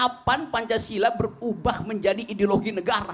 kapan pancasila berubah menjadi ideologi negara